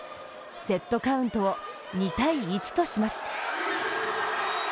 セットカウントを２−１とします。